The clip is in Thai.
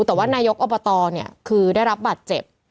แต่ว่านายกอบตเนี่ยคือได้รับบาดเจ็บ